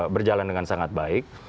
berjalan dengan sangat baik